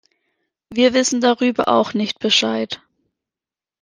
Wir wissen darüber auch nicht Bescheid.